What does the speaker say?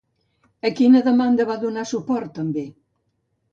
A quina demanda va donar suport, també?